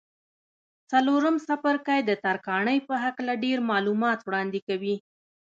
څلورم څپرکی د ترکاڼۍ په هکله ډېر معلومات وړاندې کوي.